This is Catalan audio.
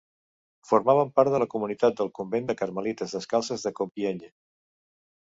Formaven part de la comunitat del convent de carmelites descalces de Compiègne.